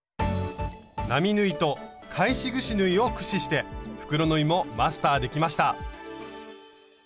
並縫いと返しぐし縫いを駆使して袋縫いもマスターできました！